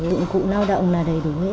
dụng cụ lao động là đầy đủ hết